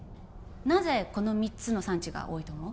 なぜこの３つの産地が多いと思う？